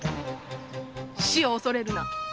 死を恐れるな。